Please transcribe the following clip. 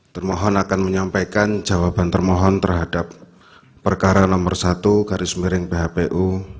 termohon akan menyampaikan jawaban termohon terhadap perkara nomor satu garis miring phpu